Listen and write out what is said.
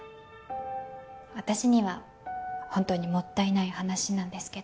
私には本当にもったいない話なんですけど。